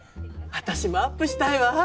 私もアップしたいわ。